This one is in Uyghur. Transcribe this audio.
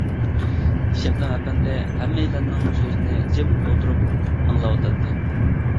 شەبنەم ئەپەندى ھەممەيلەننىڭ سۆزىنى جىم ئولتۇرۇپ ئاڭلاۋاتاتتى.